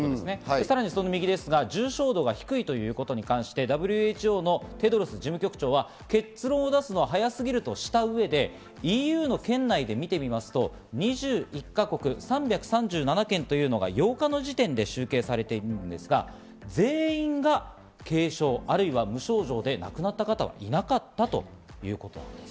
さらに右、重症度が低いということに関して、ＷＨＯのテドロス事務局長は結論を出すの早すぎるとした上で、ＥＵ圏内で見てみると、２１か国３３７件というのが８日の時点で集計されているんですが全員が軽症あるいは無症状で亡くなった方はいなかったということです。